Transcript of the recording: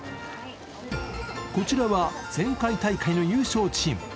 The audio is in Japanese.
こちらは前回大会の優勝チーム。